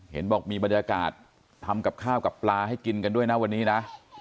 เห็นบอกมีบรรยากาศทำกับข้าวกับปลาให้กินกันด้วยนะวันนี้นะ